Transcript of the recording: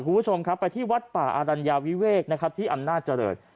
คุณผู้ชมครับไปที่วัดป่าอรัญญาวิเวกที่อำนาจรรย์